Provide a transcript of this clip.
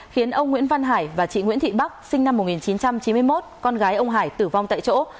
khiến ông nguyễn văn hải và chị nguyễn thị bắc sinh năm một nghìn chín trăm chín mươi một con gái ông hải tử vong tại chỗ